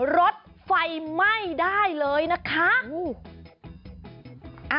รถไฟไหม้ได้เลยนะคะ